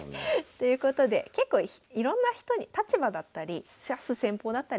ということで結構いろんな人に立場だったり指す戦法だったりして。